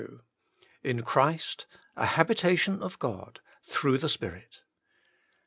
In Christ, a habitation of God, through the Spirit, iii.